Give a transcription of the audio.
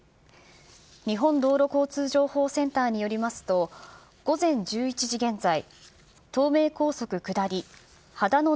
日本道路交通情報センターによりますと、午前１１時現在、東名高速下り秦野